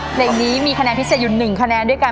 เพลงนี้มีคะแนนพิเศษอยู่๑คะแนนด้วยกัน